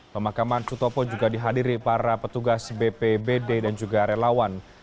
pemakaman sutopo juga dihadiri para petugas bpbd dan juga relawan